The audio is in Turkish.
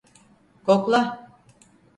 Kokla!